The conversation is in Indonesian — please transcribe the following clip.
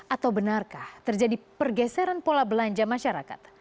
atau benarkah terjadi pergeseran pola belanja masyarakat